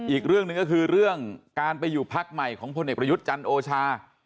อีกเรื่องหนึ่งก็คือเรื่องการไปอยู่พักใหม่ของพลเอกประยุทธ์จันทร์โอชา